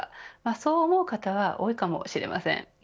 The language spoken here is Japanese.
そう思う方は多いかもしれません。